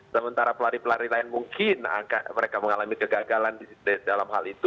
sementara pelari pelari lain mungkin mereka mengalami kegagalan di dalam hal itu